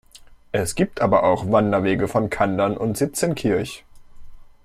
Es gibt aber auch Wanderwege von Kandern und Sitzenkirch.